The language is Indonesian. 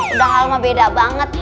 udah hal mah beda banget